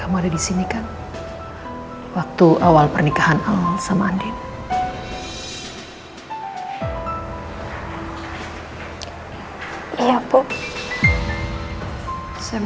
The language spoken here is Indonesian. apa ada sesuatu yang gak bisa aku jelasin